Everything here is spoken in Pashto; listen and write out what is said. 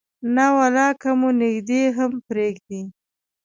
نه ولا که مو نږدې هم پرېږدي.